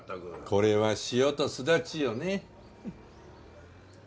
これは塩とすだちよね？